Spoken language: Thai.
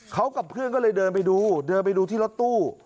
เขากับเพื่อนก็เลยเดินไปดูเดินไปดูที่รถตู้